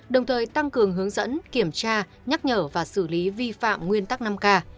đồng thời tăng cường hướng dẫn kiểm tra nhắc nhở và xử lý vi phạm nguyên tắc năm k